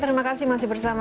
terima kasih bisa bersama